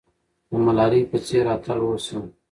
د ملالۍ په څېر اتل اوسه.